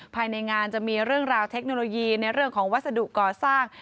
ภายในงานจะมีเรื่องราวเทคโนโลยีในเรื่องของวัสดุก่อสร้าง